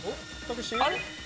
あれ？